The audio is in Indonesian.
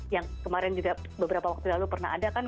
yang kemarin juga beberapa waktu lalu pernah ada kan